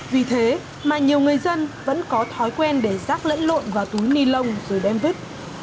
vì thế mà nhiều người dân vẫn có thói quen để rác lẫn lộn vào túi ni lông rồi đem vứt